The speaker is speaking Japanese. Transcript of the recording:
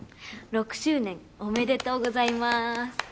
６周年おめでとうございます！